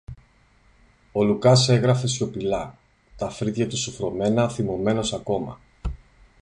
Ο Λουκάς έγραφε σιωπηλά, τα φρύδια του σουφρωμένα, θυμωμένος ακόμα